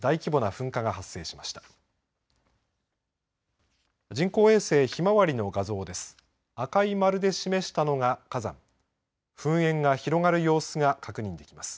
噴煙が広がる様子が確認できます。